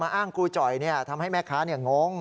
มาอ้างกูจ๋อยนี่ทำให้แม่ค้านี่งง